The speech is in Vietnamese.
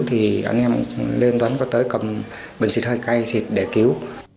thì anh em lên tuấn có tới cầm bình xí thơi cay xịt để cứu